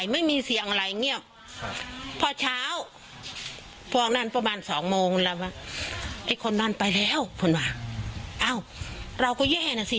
๒โมงแล้วว่าไอ้คนนั้นไปแล้วคุณหวังอ้าวเราก็แย่น่ะสิ